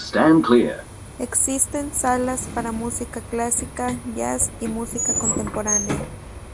Existen salas para música clásica, jazz y música contemporánea.